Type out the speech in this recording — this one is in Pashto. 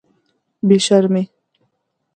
بې شرمې.